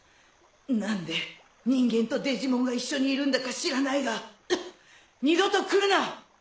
何で人間とデジモンが一緒にいるんだか知らないがケホ二度と来るな！